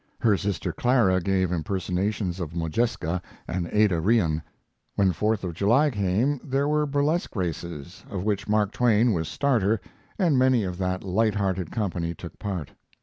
Her sister Clara gave impersonations of Modjeska and Ada Rehan. When Fourth of July came there were burlesque races, of which Mark Twain was starter, and many of that lighthearted company took part.